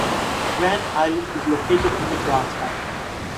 Grand Island is located in Nebraska.